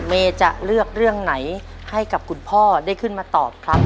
เมย์จะเลือกเรื่องไหนให้กับคุณพ่อได้ขึ้นมาตอบครับ